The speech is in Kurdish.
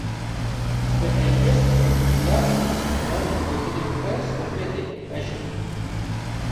bi helbest û kilam û stran û gotinên xwe sohbetê xweş dike.